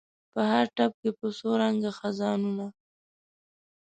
په هر ټپ کې په څو رنګه خزانونه